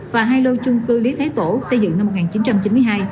và hai lô chung cư lý thái tổ xây dựng năm một nghìn chín trăm chín mươi hai